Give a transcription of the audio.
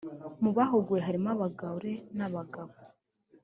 mu bahuguwe harimo abagore n’abagabo i